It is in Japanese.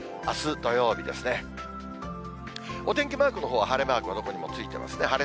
あす土曜日ですね、お天気マークのほうは晴れマーク、どこもついてますね。